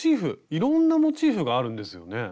いろんなモチーフがあるんですよね。